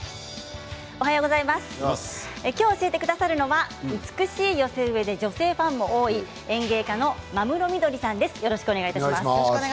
今日、教えてくださるのは美しい寄せ植えで女性ファンも多い園芸家の間室みどりさんです。